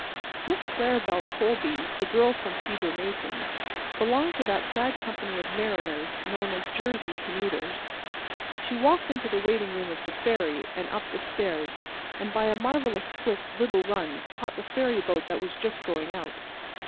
Miss Claribel Colby, the Girl from Sieber Mason's, belonged to that sad company of mariners known as Jersey commuters. She walked into the waiting room of the ferry, and up the stairs, and by a marvellous swift, little run, caught the ferry boat that was just going out.